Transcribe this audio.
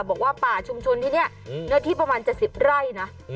บอกว่าป่าชุมชนที่นี่เนื้อที่ประมาณ๗๐ไร่นะ